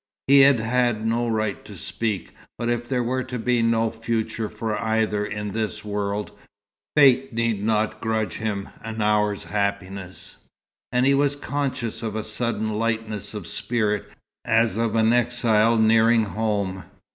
He had had no right to speak, but if there were to be no future for either in this world, fate need not grudge him an hour's happiness. And he was conscious of a sudden lightness of spirit, as of an exile nearing home.